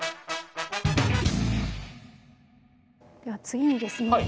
では次にですね